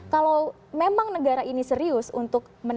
kalau memang negara ini serius untuk